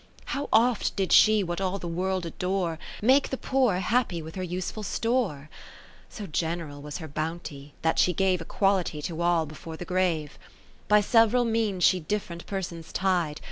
How oft did she what all the World adore. Make the poor happy with her use ful store ? So general was her bounty, that she gave Equality to all before the grave. By several means she different per sons tied.